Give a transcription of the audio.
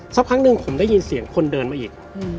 สักพักหนึ่งผมได้ยินเสียงคนเดินมาอีก